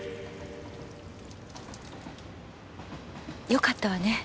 よかったわね